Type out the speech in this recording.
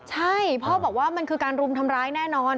ใช่พ่อบอกว่ามันคือการรุมทำร้ายแน่นอน